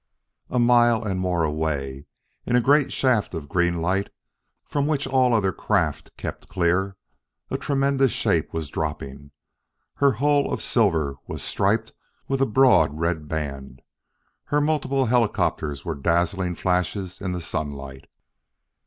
A mile and more away, in a great shaft of green light from which all other craft kept clear, a tremendous shape was dropping. Her hull of silver was striped with a broad red band; her multiple helicopters were dazzling flashes in the sunlight.